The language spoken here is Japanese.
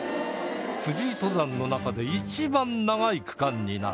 富士登山の中で一番長い区間になる